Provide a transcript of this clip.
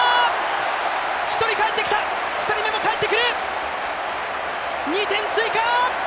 １人返ってきた、２人目も返ってくる２点追加。